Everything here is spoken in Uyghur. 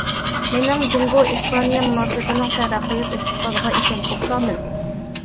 مېنىڭ جۇڭگو- ئىسپانىيە مۇناسىۋىتىنىڭ تەرەققىيات ئىستىقبالىغا ئىشەنچىم كامىل.